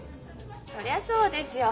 そりゃそうですよ。